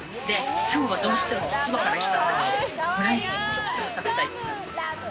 今日はどうしても千葉から来たので、オムライスが食べたいって。